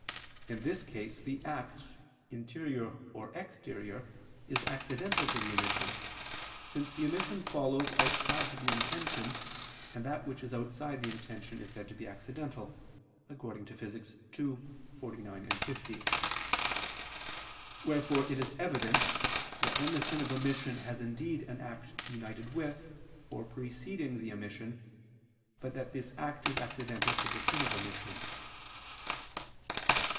In this case the act, interior or exterior, is accidental to the omission, since the omission follows outside the intention, and that which is outside the intention is said to be accidental (Phys. ii, text. 49, 50). Wherefore it is evident that then the sin of omission has indeed an act united with, or preceding the omission, but that this act is accidental to the sin of omission.